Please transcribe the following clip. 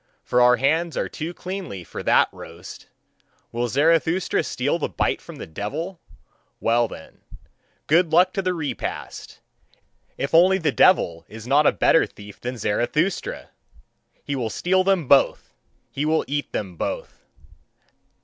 For our hands are too cleanly for that roast. Will Zarathustra steal the bite from the devil? Well then, good luck to the repast! If only the devil is not a better thief than Zarathustra! he will steal them both, he will eat them both!"